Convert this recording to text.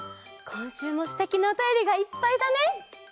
こんしゅうもすてきなおたよりがいっぱいだね！